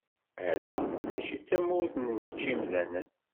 Ala, mačči d tamurt n mečč-imdanen!